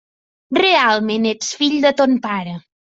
Realment ets fill de ton pare.